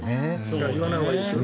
だから言わないほうがいいですよね。